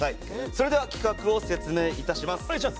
それでは企画を説明いたします。